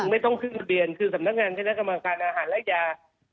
ไม่ต้องขึ้นทะเบียนคือสำนักงานเช่นนักกำลังการอาหารและยา